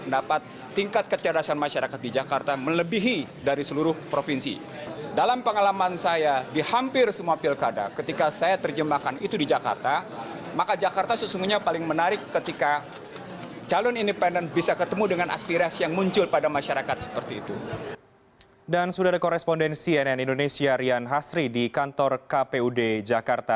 dan sudah ada korespondensi nn indonesia rian hasri di kantor kpud jakarta